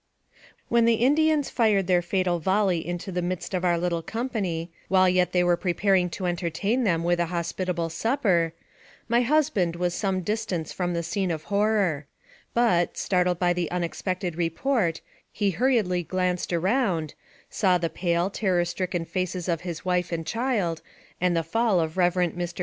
WHEN the Indians fired their fatal volley into the midst of our little company, while yet they were pre paring to entertain them with a hospitable supper, my husband was some distance from the scene of horror; but, startled by the unexpected report, he hurriedly glanced around, saw the pale, terror stricken faces of his wife and child, and the fall of Rev. Mr.